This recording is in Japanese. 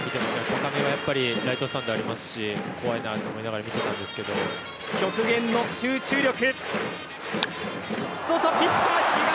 高めはライトスタンドありますし怖いなと思いながら極限の集中力。